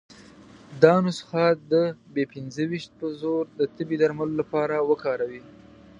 دا نسخه د بي پنځه ویشت په زور د تبې درملو لپاره وکاروي.